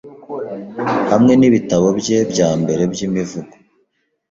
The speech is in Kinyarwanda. hamwe n'ibitabo bye bya mbere by'imivugo